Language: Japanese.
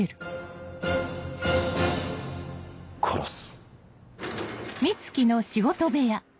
殺す。